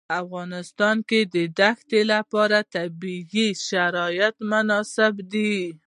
په افغانستان کې د ښتې لپاره طبیعي شرایط مناسب دي.